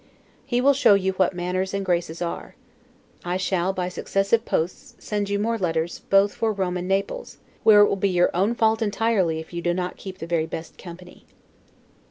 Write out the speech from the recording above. He will show you what manners and graces are. I shall, by successive posts, send you more letters, both for Rome and Naples, where it will be your own fault entirely if you do not keep the very best company.